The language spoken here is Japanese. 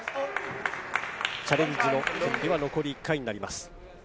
チャレンジの権利は残り１回になります。